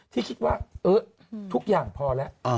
ที่คิดว่าเออทุกอย่างพอแล้ว